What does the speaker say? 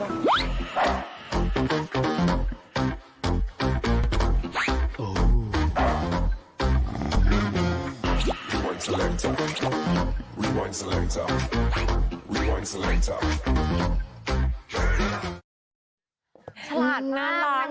เป็นน่าแสดงที่เปิดน่าจะเป็นลูกบาก